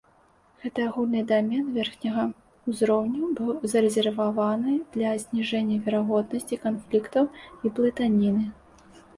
Гэты агульны дамен верхняга ўзроўню быў зарэзерваваны для зніжэння верагоднасці канфліктаў і блытаніны.